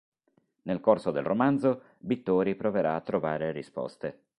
Nel corso del romanzo, Bittori proverà a trovare risposte.